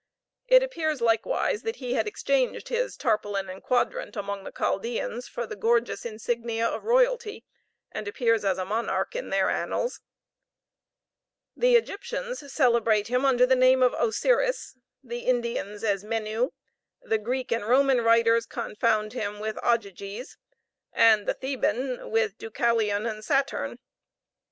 It appears, likewise, that he had exchanged his tarpaulin and quadrant among the Chaldeans for the gorgeous insignia of royalty, and appears as a monarch in their annals. The Egyptians celebrate him under the name of Osiris; the Indians as Menu; the Greek and Roman writers confound him with Ogyges; and the Theban with Deucalion and Saturn.